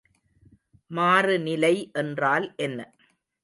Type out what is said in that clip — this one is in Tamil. மாறுநிலை என்றால் என்ன?